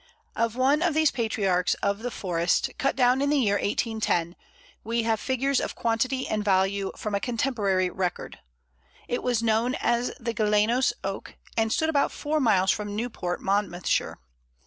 Of one of these patriarchs of the forest, cut down in the year 1810, we have figures of quantity and value from a contemporary record. It was known as the Gelenos Oak, and stood about four miles from Newport, Monmouthshire.